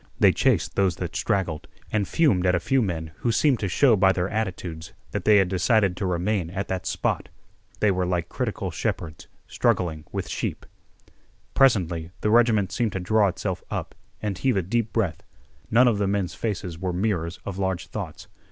They chased those that straggled and fumed at a few men who seemed to show by their attitudes that they had decided to remain at that spot. They were like critical shepherds, struggling with sheep. Presently, the regiment seemed to draw itself up and heave a deep breath. None of the men's faces were mirrors of large thoughts.